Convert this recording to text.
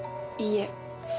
いいえ。